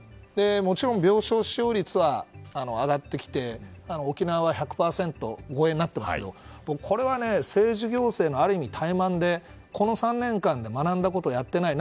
もちろん病床使用率は上がってきて沖縄は１００％超えになっていますけどこれは政治行政の怠慢でこの３年間で学んだことをやっていない。